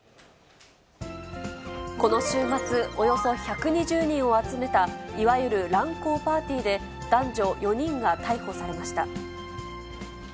この週末、およそ１２０人を集めたいわゆる乱交パーティーで、男女４人が逮捕されました。